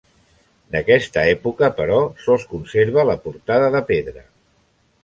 D'aquesta època, però, sols conserva la portada de pedra.